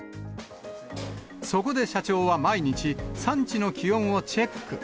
そこで社長は毎日、産地の気温をチェック。